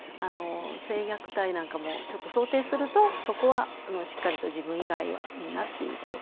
性虐待なんかもちょっと想定するとそこはしっかりと自分以外はみんなっていうこと。